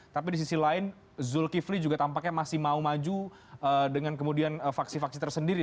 tapi di sisi lain zulkifli juga tampaknya masih mau maju dengan kemudian faksi faksi tersendiri